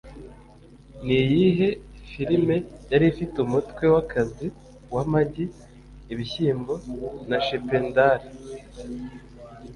Niyihe Filime yari ifite Umutwe wakazi w'amagi, ibishyimbo na Chippendales?